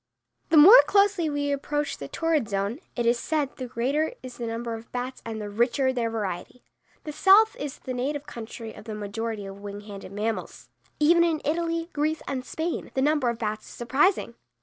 The more closely we approach the torrid zone, it is said, the greater is the number of bats and the richer their variety. The South is the native country of the majority of wing handed animals. Even in Italy, Greece, and Spain, the number of bats is surprising.